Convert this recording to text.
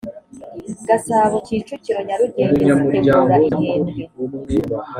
gasabo kicukiro nyarugenge zitegura igihembwe